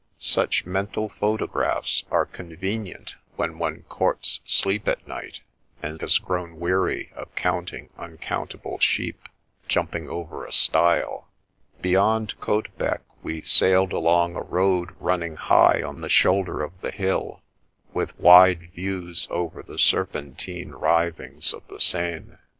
Such mental photographs are convenient when one courts sleep at night, and has grown weary of counting uncount able sheep jumping over a stile. Beyond Caudebec we sailed along a road run ning high on the shoulder of the hill, with wide views over the serpentine writhings of the Seine.